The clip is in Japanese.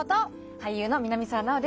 俳優の南沢奈央です。